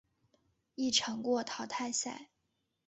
一场过淘汰赛。